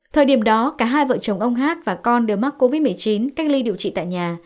thời điểm đó cả hai vợ chồng ông hát và con đều mắc covid một mươi chín cách ly điều trị tại nhà